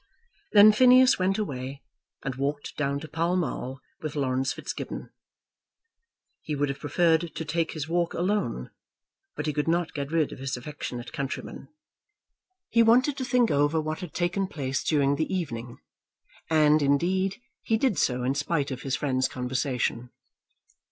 Then Phineas went away, and walked down to Pall Mall with Laurence Fitzgibbon. He would have preferred to take his walk alone, but he could not get rid of his affectionate countryman. He wanted to think over what had taken place during the evening; and, indeed, he did so in spite of his friend's conversation.